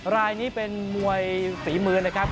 รายนี้เป็นมวยฝีมือนะครับ